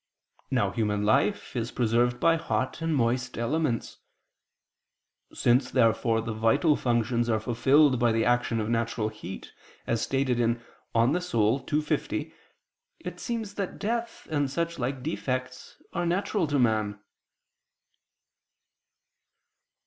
Now human life is preserved by hot and moist elements. Since therefore the vital functions are fulfilled by the action of natural heat, as stated in De Anima ii, text. 50, it seems that death and such like defects are natural to man.